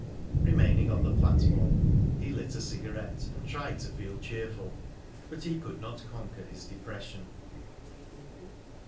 Remaining on the platform, he lit a cigarette, and tried to feel cheerful; but he could not conquer his depression.